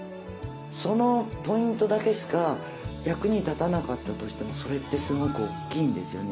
そのポイントだけしか役に立たなかったとしてもそれってすごく大きいんですよね。